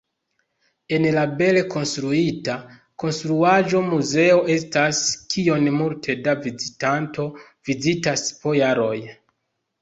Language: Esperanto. En la bele konstruita konstruaĵo muzeo estas, kion multe da vizitanto vizitas po jaroj.